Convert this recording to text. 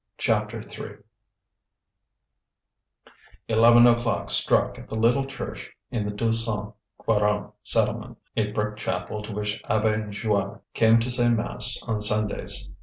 CHAPTER III Eleven o'clock struck at the little church in the Deux Cent Quarante settlement, a brick chapel to which Abbé Joire came to say mass on Sundays.